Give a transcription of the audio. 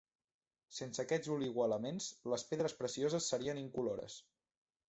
Sense aquests oligoelements, les pedres precioses serien incolores.